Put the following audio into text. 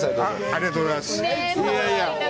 ありがとうございます。